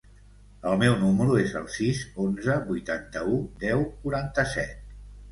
El meu número es el sis, onze, vuitanta-u, deu, quaranta-set.